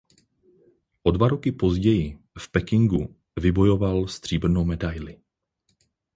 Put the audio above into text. O dva roky později v Pekingu vybojoval stříbrnou medaili.